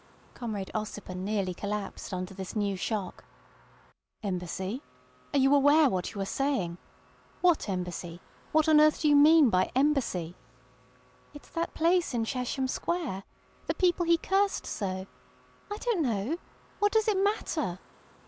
Comrade Ossipon nearly collapsed under this new shock. "Embassy! Are you aware what you are saying? What Embassy? What on earth do you mean by Embassy?" "It's that place in Chesham Square. The people he cursed so. I don't know. What does it matter!"